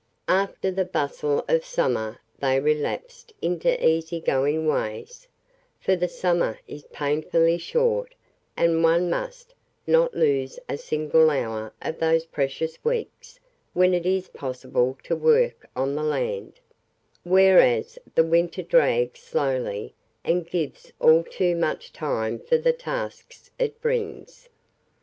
After the bustle of summer they relapsed into easy going ways, for the summer is painfully short and one must: not lose a single hour of those precious weeks when it is possible to work on the land, whereas the winter drags slowly and gives all too much time for the tasks it brings.